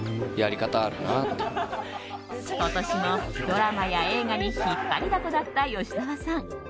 今年もドラマや映画に引っ張りだこだった吉沢さん。